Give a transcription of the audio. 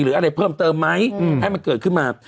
หรืออะไรเพิ่มเติมไหมให้มันเกิดขึ้นมา